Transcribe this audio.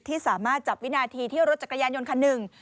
ที่สามารถจับวินาทีที่รถจักรยานยนต์คันหนึ่ง